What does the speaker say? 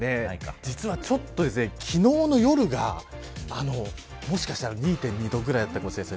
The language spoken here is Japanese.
実は昨日の夜がもしかしたら２．２度くらいだったかもしれません。